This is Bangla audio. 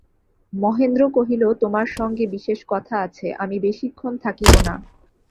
মহেন্দ্র কহিল, তোমার সঙ্গে বিশেষ কথা আছে–আমি বেশিক্ষণ থাকিব না।